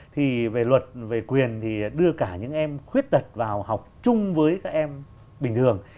thì về luật về quyền thì đưa cả những em khuyết tật vào học chung với các em bình thường